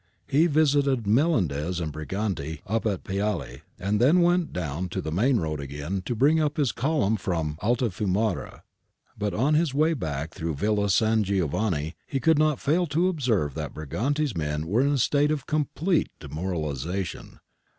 He visited Melendez and Briganti up at Piale and then went down to the main road again to bring up his column from Altifiumara. But on his way back through Villa San Giovanni he could not fail to observe that Briganti's men were in a state of complete demoralisation.